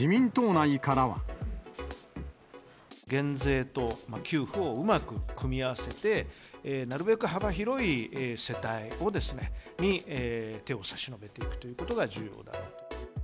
減税と給付をうまく組み合わせて、なるべく幅広い世帯に手を差し伸べていくということが重要だと。